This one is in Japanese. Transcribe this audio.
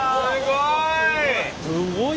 すごい！